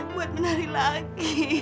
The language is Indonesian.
buat menari lagi